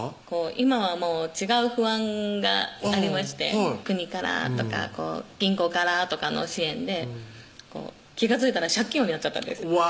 今はもう違う不安がありまして国からとか銀行からとかの支援で気が付いたら借金王になっちゃったんですうわ